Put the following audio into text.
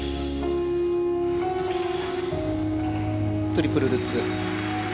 トリプルルッツ。